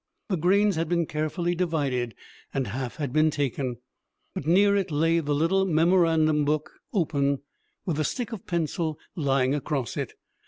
The grains had been carefully divided, and half had been taken! But near it lay the little memorandum book, open, with the stick of pencil lying across it.